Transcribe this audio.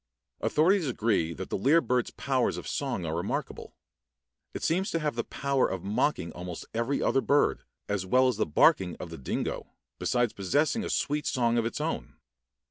Authorities agree that the lyre bird's powers of song are remarkable. It seems to have the power of mocking almost every other bird, as well as the barking of the dingo, besides possessing a sweet song of its own.